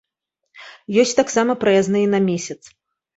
Ёсць таксама праязныя на месяц.